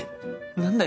何だよ？